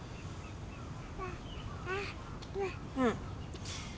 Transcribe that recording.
うん。